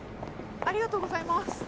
ありがとうございます。